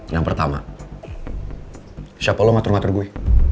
yang pertama siapa lo ngatur ngatur gue